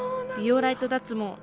美容ライト脱毛